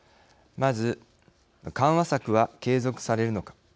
まず、緩和策は継続されるのか。